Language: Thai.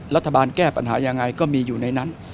รัฐบาลแก้ปัญหายังไงก็มีอยู่ในนั้น